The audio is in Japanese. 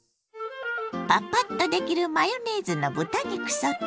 パパッとできるマヨネーズの豚肉ソテー。